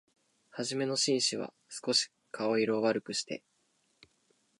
はじめの紳士は、すこし顔色を悪くして、